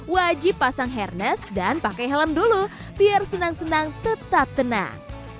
wajib pasang hairness dan pakai helm dulu biar senang senang tetap tenang